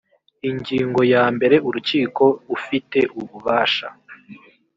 ingingo ya mbere urukiko ufite ububasha